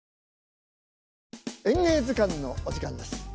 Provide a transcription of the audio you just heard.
「演芸図鑑」のお時間です。